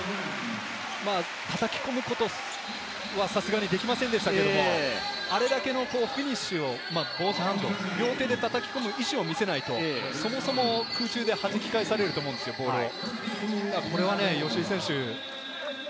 叩き込むことはさすがにできませんでしたけれども、あれだけのフィニッシュをボースハンド、両手で叩き込む意思を見せないと、そもそも空中ではじき返されると思うんですよ、ボールを。